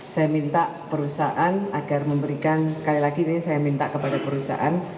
saya minta perusahaan agar memberikan sekali lagi ini saya minta kepada perusahaan